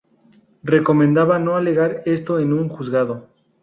recomendaba no alegar esto en un juzgado